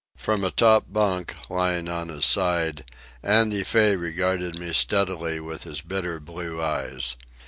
From a top bunk, lying on his side, Andy Fay regarded me steadily with his bitter blue eyes.